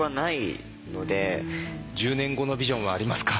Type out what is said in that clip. １０年後のビジョンはありますか？